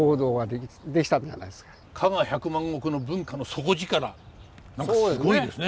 加賀百万石の文化の底力何かすごいですね。